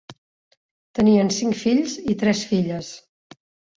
Tenien cinc fills i tres filles.